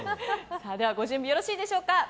ではご準備よろしいでしょうか。